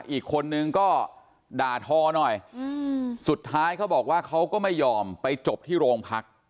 อีกคนนึงก็ด่าทอหน่อยสุดท้ายเขาบอกว่าเขาก็ไม่ยอมไปจบที่โรงพัก